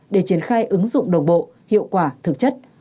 để triển khai ứng dụng đồng bộ hiệu quả thực chất